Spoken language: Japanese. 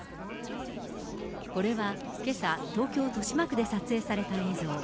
これはけさ、東京・豊島区で撮影された映像。